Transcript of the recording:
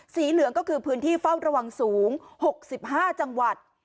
เหลืองก็คือพื้นที่เฝ้าระวังสูง๖๕จังหวัด